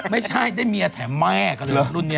ไม่ใช่ได้เมียแถมแม่กันเลยนะรุ่นนี้